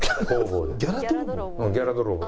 うん「ギャラ泥棒」。